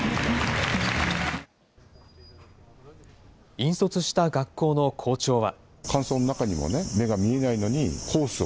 引率した学校の校長は。